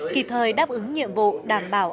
kịp thời đáp ứng nhiệm vụ đảm bảo